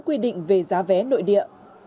quy định về giá vé nội địa